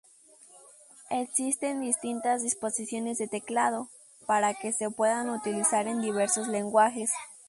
Existen distintas disposiciones de teclado, para que se puedan utilizar en diversos lenguajes.